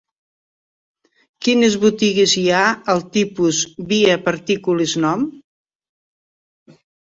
Quines botigues hi ha al TIPUS_VIA PARTICULES NOM?